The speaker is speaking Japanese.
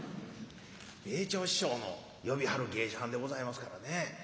米朝師匠の呼びはる芸者はんでございますからね